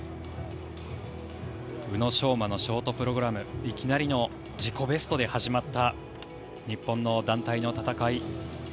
宇野昌磨のショートプログラムいきなりの自己ベストで始まった日本の団体の戦い。